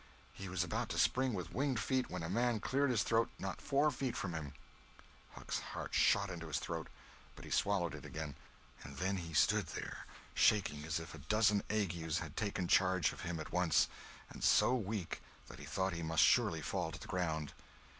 He was about to spring with winged feet, when a man cleared his throat not four feet from him! Huck's heart shot into his throat, but he swallowed it again; and then he stood there shaking as if a dozen agues had taken charge of him at once, and so weak that he thought he must surely fall to the ground.